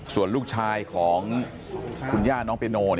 ส่วนลูกชายของคุณย่าน้องเปียโน